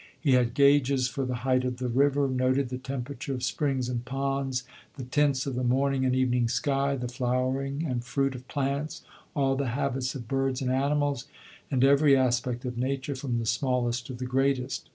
He had gauges for the height of the river, noted the temperature of springs and ponds, the tints of the morning and evening sky, the flowering and fruit of plants, all the habits of birds and animals, and every aspect of nature from the smallest to the greatest.